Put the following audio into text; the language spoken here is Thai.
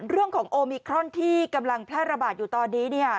เรื่องของโอมิครอนที่กำลังแพร่ระบาดอยู่ตอนนี้